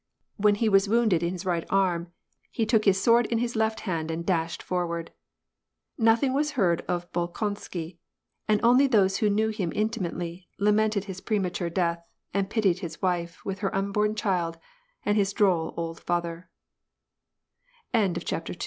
15 when he was wounded in his right arm, he took his sword in his left hand and dashed forward. Nothing was heard of Bolkonsky, and only those who knew him intimately, lamented his premature death, and pitied bis wife, with her unborn chi